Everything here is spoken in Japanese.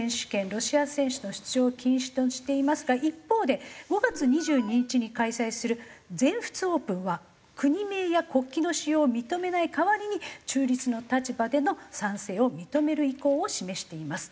ロシア選手の出場を禁止としていますが一方で５月２２日に開催する全仏オープンは国名や国旗の使用を認めない代わりに中立の立場での参戦を認める意向を示しています。